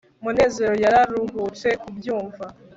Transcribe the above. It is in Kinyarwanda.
munezero yararuhutse kubyumva